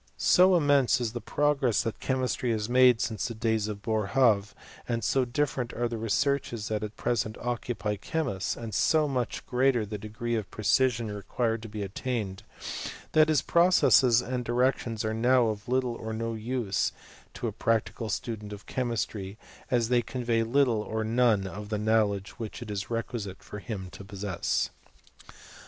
So immense is the progress that chemistry has made since the days of Boerhaave, and so different are the researches that at present occupy chemists, and so much greater the degree of precision requisite to be attained, that his processes and direc tions are now of little or no use to a practical student of chemistry, as they convey little or none of the knowledge which it is requisite for him to possess.